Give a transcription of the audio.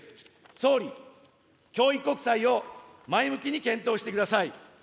総理、教育国債を前向きに検討してください。